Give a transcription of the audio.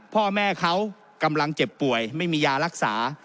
พ่อแม่เขากำลังเจ็บป่วยไม่มียารักษา